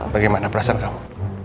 bagaimana perasaan kamu